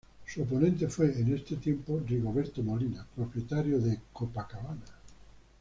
Su oponente fue, en este tiempo, Rigoberto Molina, propietario de Copacabana.